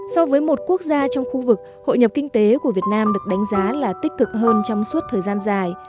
so với một quốc gia trong khu vực hội nhập kinh tế của việt nam được đánh giá là tích cực hơn trong suốt thời gian dài